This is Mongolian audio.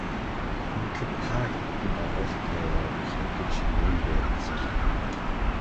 Ингэхэд та хэдэн дагуултай яваа билээ гэж ноён Берн асуулаа.